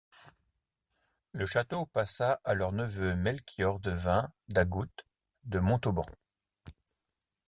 Le château passa à leur neveu Melchior de Vins d'Agoult de Montauban.